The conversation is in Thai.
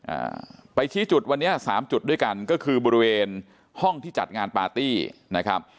อ่าไปชี้จุดวันนี้สามจุดด้วยกันก็คือบริเวณห้องที่จัดงานปาร์ตี้นะครับ